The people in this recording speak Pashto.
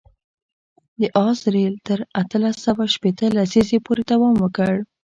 د آس رېل تر اتلس سوه شپېته لسیزې پورې دوام وکړ.